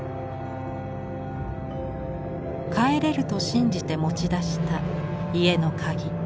帰れると信じて持ち出した家の鍵。